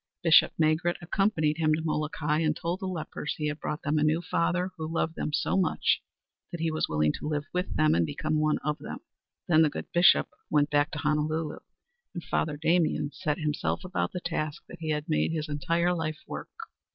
Bishop Maigret accompanied him to Molokai, and told the lepers he had brought them a new Father, who loved them so much that he was willing to live with them and become one of them. Then the good bishop went back to Honolulu, and Father Damien set himself about the task that he had made his entire life work.